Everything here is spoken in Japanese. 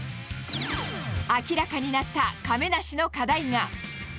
明らかになった亀梨の課題が。